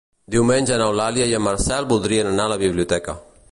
Diumenge n'Eulàlia i en Marcel voldria anar a la biblioteca.